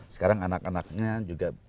sekarang anak anaknya juga